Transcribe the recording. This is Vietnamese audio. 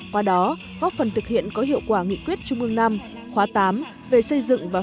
qua đó góp phần thực hiện có hiệu quả nghị quyết trung ương v